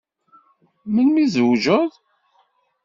Melmi tzewǧeḍ?